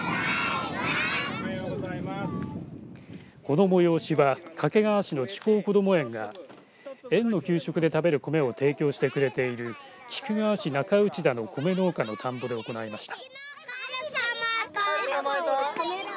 この催しは掛川市の智光こども園が園の給食で食べる米を提供してくれている菊川市中内田の米農家の田んぼで行いました。